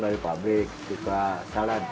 dari pabrik cuka salad